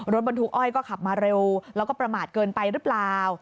รถบรรทุกอ้อยก็ขับมาเร็วแล้วก็ประมาทเกินไปหรือเปล่า